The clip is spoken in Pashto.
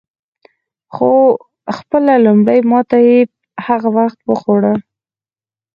خو خپله لومړۍ ماته یې هغه وخت وخوړه.